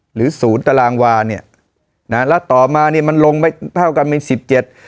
หรือศูนย์ตารางวาเนี่ยนะฮะแล้วต่อมาเนี้ยมันลงไปเท่ากันเป็นสิบเจ็ด